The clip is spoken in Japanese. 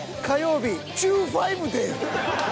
火曜日